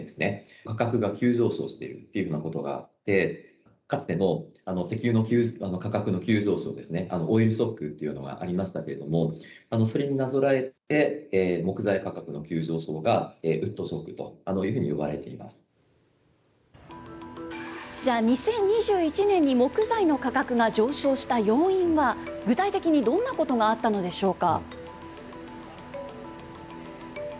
価格が急上昇しているというようなことがあって、かつての石油の価格の急上昇ですね、オイルショックというのがありましたけれども、それになぞらえて木材価格の急上昇がウッドショックというふうにじゃあ、２０２１年に木材の価格が上昇した要因は、具体的にどんなことがあったのでしょうか。